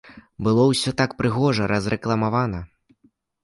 Было ўсё так прыгожа разрэкламавана.